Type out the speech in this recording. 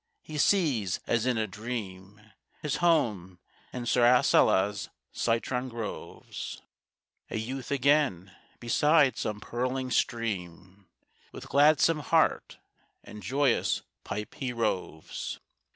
He sees as in a dream His home and Cyrasella's citron groves; A youth again, beside some purling stream, With gladsome heart and joyous pipe he roves.